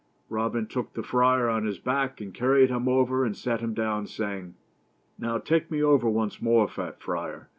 Robin took the friar on his back, and carried him over, and set him down, saying: —" Now, take me over once more, fat friar.